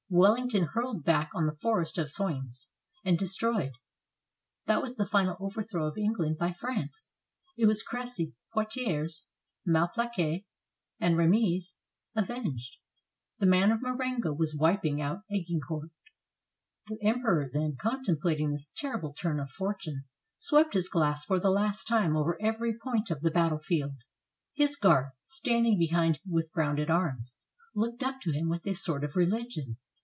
Wellington hurled back on the Forest of Soignes and destroyed; that was the final overthrow of England by France; it was Cressy, Poitiers, Malplaquet, and Ra millies avenged. The man of Marengo was wiping out Agincourt. The Emperor, then, contemplating this terrible turn of fortune, swept his glass for the last time over every point of the battle field. His Guard, standing behind, with grounded arms, looked up to him with a sort of re ligion.